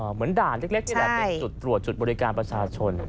เหมือนด่านเล็กนี่แหละเป็นจุดตรวจจุดบริการประชาชน